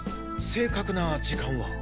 正確な時間は？